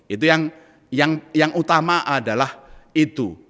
itu yang utama adalah itu